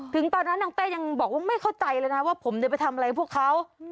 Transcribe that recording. ตอนนั้นนางเต้ยังบอกว่าไม่เข้าใจเลยนะว่าผมได้ไปทำอะไรพวกเขา